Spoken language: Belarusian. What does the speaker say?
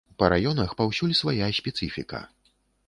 Па раёнах паўсюль свая спецыфіка.